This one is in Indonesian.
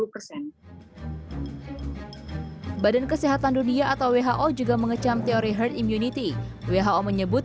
dua puluh persen badan kesehatan dunia atau who juga mengecam teori herd immunity who menyebut